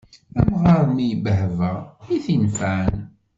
Amɣar mi ibbehba, i t-inefɛen.